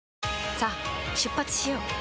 さあ出発しよう。